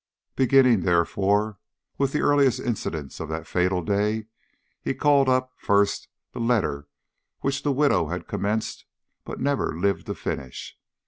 Beginning, therefore, with the earliest incidents of the fatal day, he called up, first, the letter which the widow had commenced but never lived to finish.